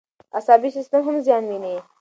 عصبي سیستم هم زیان ویني.